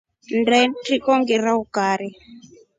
Nnde mtriko ngirie ukari.